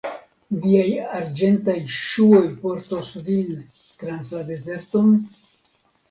Viaj Arĝentaj ŝuoj portos vin trans la dezerton?